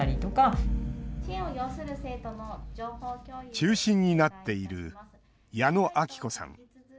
中心になっている矢野明子さん。